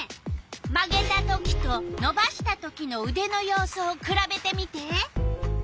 曲げたときとのばしたときのうでの様子をくらべてみて。